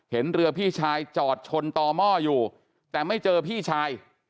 เห็นเรือพี่ชายจอดชนต่อหม้ออยู่แต่ไม่เจอพี่ชาย